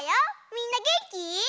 みんなげんき？